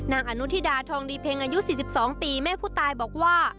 อนุทิดาทองดีเพ็งอายุ๔๒ปีแม่ผู้ตายบอกว่า